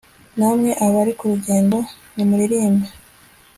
namwe abari ku rugendo, nimuririmbe